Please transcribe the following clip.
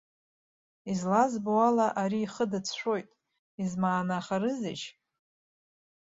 Излазбо ала, ари ихы дацәшәоит, измаанахарызеишь?